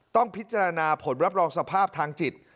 ต้องพิจารณาผลรับรองสภาพทางจิต